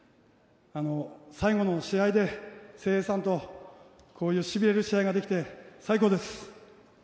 最後の試合で誠英さんとこういうしびれる試合ができて最高です。